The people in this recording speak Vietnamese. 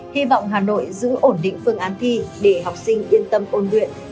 hy vọng hà nội giữ ổn định phương án thi để học sinh yên tâm ôn luyện